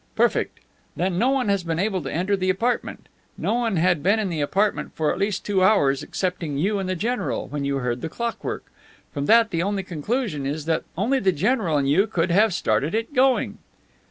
"Perfect. Then, no one has been able to enter the apartment. No one had been in the apartment for at least two hours excepting you and the general, when you heard the clockwork. From that the only conclusion is that only the general and you could have started it going."